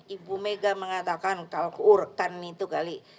ibu mega mengatakan kalau urkan itu kali